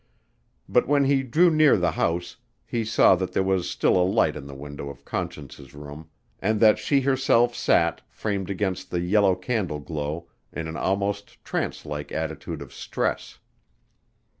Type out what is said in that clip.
But when he drew near the house he saw that there was still a light in the window of Conscience's room and that she herself sat, framed against, the yellow candle glow, in an almost trance like attitude of stress.